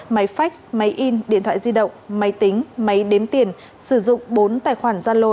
máy fax máy in điện thoại di động máy tính máy đếm tiền sử dụng bốn tài khoản gia lô